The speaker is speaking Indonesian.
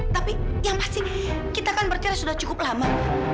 tapi yang pasti kita kan berkira sudah cukup lama